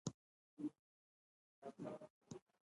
کوچیان د افغانستان د بشري فرهنګ برخه ده.